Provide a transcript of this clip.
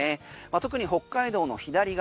特に北海道の左側